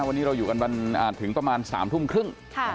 วันนี้เราอยู่กันวันถึงประมาณสามทุ่มครึ่งค่ะ